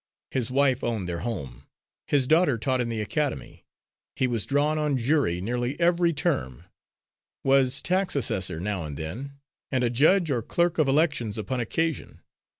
His wife owned their home. His daughter taught in the academy. He was drawn on jury nearly every term; was tax assessor now and then, and a judge or clerk of elections upon occasion.